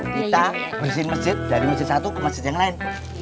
kita bersihin masjid dari masjid satu ke masjid yang lain